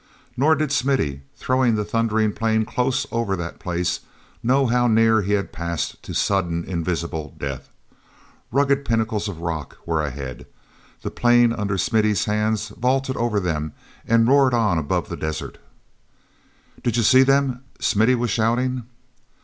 Nor did Smithy, throwing the thundering plane close over that place, know how near he had passed to sudden, invisible death. Rugged pinnacles of rock were ahead. The plane under Smithy's hands vaulted over them and roared on above the desert. "Did you see them?" Smithy was shouting.